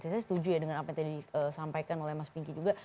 saya setuju ya dengan apa yang tadi disampaikan oleh mas pinky juga